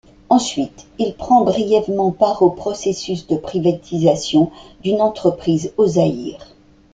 Ensuite, il prend brièvement part au processus de privatisation d'une entreprise au Zaïre.